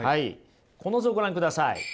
この図をご覧ください。